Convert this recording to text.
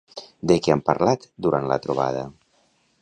De què han parlat durant la trobada?